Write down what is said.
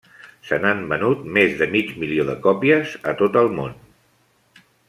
Se n'han venut més de mig milió de còpies a tot el món.